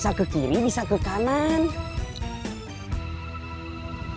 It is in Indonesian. untuk ke wortel balikan ngelang atau menti pun